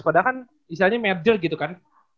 padahal kan istilahnya merger gitu kan